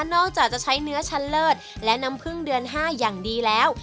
อกจากจะใช้เนื้อชั้นเลิศและน้ำพึ่งเดือน๕อย่างดีแล้ว